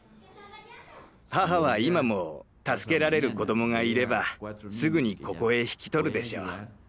母は今も助けられる子どもがいればすぐにここへ引き取るでしょう。